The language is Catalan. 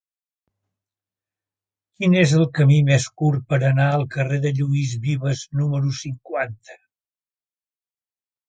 Quin és el camí més curt per anar al carrer de Lluís Vives número cinquanta?